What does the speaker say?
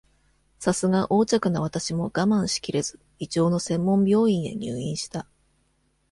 さすが横着な私も、我慢しきれず、胃腸の専門病院へ入院した。